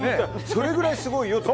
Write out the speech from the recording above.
それぐらいすごいよと。